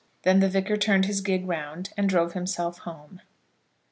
Then the Vicar turned his gig round, and drove himself home.